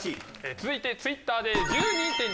続いてＴｗｉｔｔｅｒで。